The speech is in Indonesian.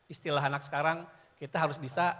istilah anak sekarang kita harus bisa